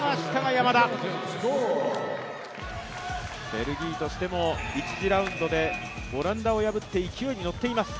ベルギーとしても１次ラウンドでオランダを破って勢いに乗っています。